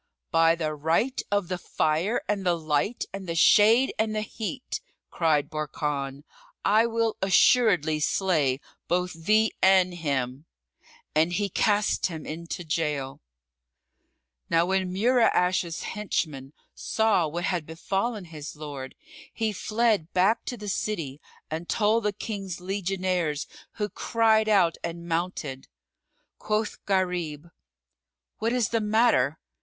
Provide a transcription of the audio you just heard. "By the right of the Fire and the Light and the Shade and the Heat," cried Barkan, "I will assuredly slay both thee and him!" And he cast him into gaol. Now when Mura'ash's henchman saw what had befallen his lord, he fled back to the city and told the King's legionaries who cried out and mounted. Quoth Gharib, "What is the matter?"